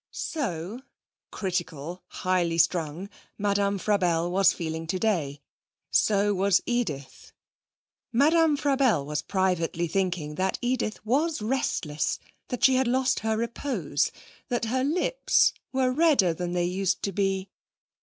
So critical, highly strung Madame Frabelle was feeling today. So was Edith. Madame Frabelle was privately thinking that Edith was restless, that she had lost her repose, that her lips were redder than they used to be.